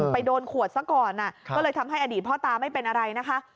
ไปโดนขวดซะก่อนก็เลยทำให้อดีตพ่อตาไม่เป็นอะไรนะคะ